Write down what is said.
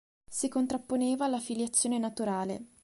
Si contrapponeva alla filiazione naturale.